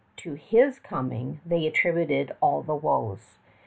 To his coming they attributed all the woes.